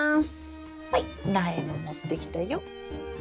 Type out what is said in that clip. はい苗も持ってきたよ。